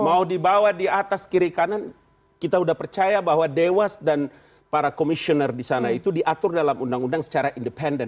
mau dibawa di atas kiri kanan kita udah percaya bahwa dewas dan para komisioner di sana itu diatur dalam undang undang secara independen